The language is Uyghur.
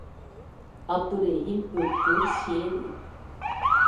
ئابدۇرېھىم ئۆتكۈر شېئىرى.